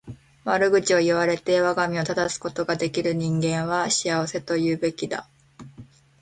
悪口を言われて我が身を正すことの出来る人間は幸せと言うべきだ。